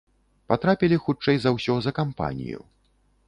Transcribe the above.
Патрапілі хутчэй за ўсе за кампанію.